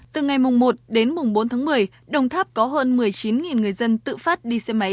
từ ngày mùng một đến mùng bốn tháng một mươi đồng tháp có hơn một mươi chín người dân tự phát đi xe máy